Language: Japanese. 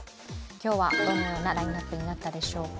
今日はどのようなラインナップになったでしょうか。